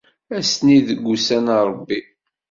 Ass-nni deg wussan Ṛebbi.